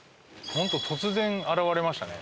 本当突然現れましたね。